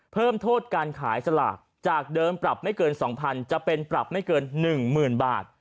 เพิ่มโทษการขายสลากจากเดิมปรับไม่เกิน๒๐๐จะเป็นปรับไม่เกิน๑๐๐๐บาท